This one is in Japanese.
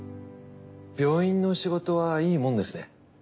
病院の仕事はいいもんですね。